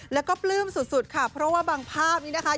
แล้วก็ปลื้มสุดค่ะเพราะว่าบางภาพนี้นะคะ